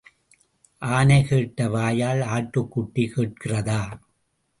ஆனை கேட்ட வாயால் ஆட்டுக்குட்டி கேட்கிறதா?